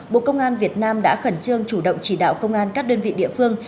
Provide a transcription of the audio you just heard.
bộ công an việt nam đã khẩn trương chủ động chỉ đạo công an các đơn vị địa phương